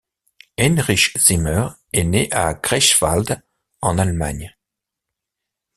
Heinrich Zimmer est né à Greifswald, en Allemagne.